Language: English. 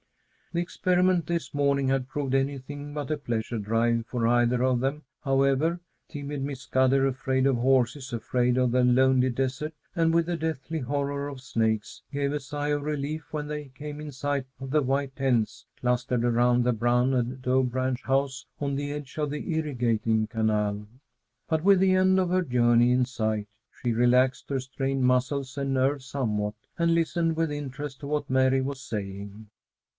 The experiment this morning had proved anything but a pleasure drive for either of them, however. Timid Miss Scudder, afraid of horses, afraid of the lonely desert, and with a deathly horror of snakes, gave a sigh of relief when they came in sight of the white tents clustered around the brown adobe ranch house on the edge of the irrigating canal. But with the end of her journey in sight, she relaxed her strained muscles and nerves somewhat, and listened with interest to what Mary was saying.